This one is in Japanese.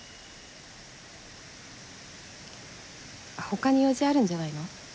他に用事あるんじゃないの？